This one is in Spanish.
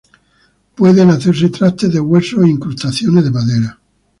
Pueden hacerse trastes de hueso e incrustaciones de madera.